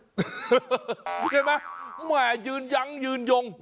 เห็นไหมแหมยืนยั้งยืนยง